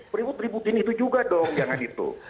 ribut ributin itu juga dong jangan itu